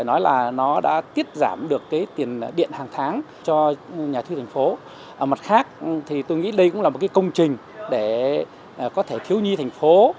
ở mặt khác tôi nghĩ đây cũng là một công trình để thiếu nhi thành phố